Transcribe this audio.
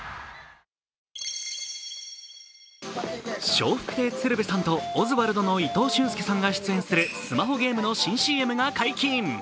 笑福亭鶴瓶さんとオズワルドの伊藤俊介さんが出演するスマホゲームの新ＣＭが解禁。